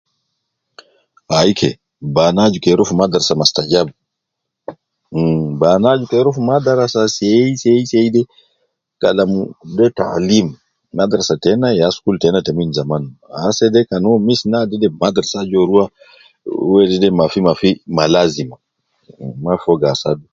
Ayike banaa aju kede ruwa fi madrasa mastajabu. Umm banaa aju ke ruwa fi madrasa seiseide seiseide Kalam de taalim. Madrasa teina ya school teina ta min zaman. Asesede Kan uwo mis naade madrasa aju uwo ruwa wede mafimafi ma lazima.